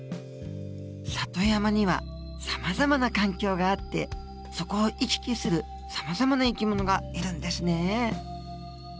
里山にはさまざまな環境があってそこを行き来するさまざまな生き物がいるんですね。